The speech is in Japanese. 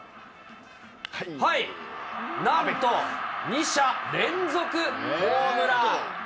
はい、なんと２者連続ホームラン。